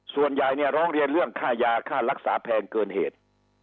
ส่วนใหญ่เนี่ยร้องเรียนเรื่องค่ายาค่ารักษาแพงเกินเหตุ